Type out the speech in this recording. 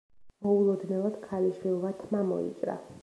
მოულოდნელად ქალიშვილმა თმა მოიჭრა.